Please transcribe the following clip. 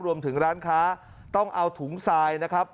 รวมถึงร้านค้าต้องเอาถุงทรายนะครับ